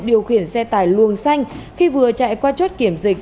điều khiển xe tải luồng xanh khi vừa chạy qua chốt kiểm dịch